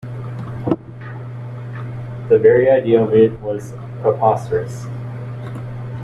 The very idea of it was preposterous.